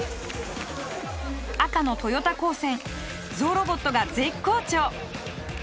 赤の豊田高専ゾウロボットが絶好調！